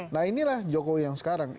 nah inilah jokowi yang sekarang